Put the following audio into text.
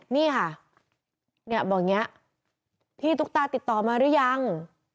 นี่ค่ะเนี่ยบอกอย่างนี้พี่ตุ๊กตาติดต่อมาหรือยัง